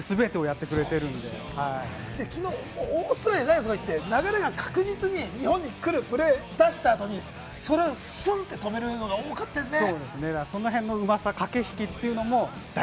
体を張って全てやってくれているので、オーストラリアは流れが確実に日本に来るプレー出した後にそれをスンと止めるのが多かったですね。